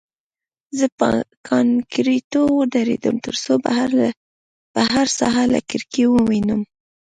زه په کانکریټو ودرېدم ترڅو بهر ساحه له کړکۍ ووینم